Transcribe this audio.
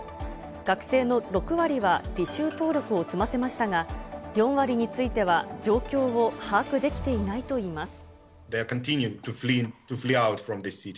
学生の６割は履修登録を済ませましたが、４割については、状況を把握できていないといいます。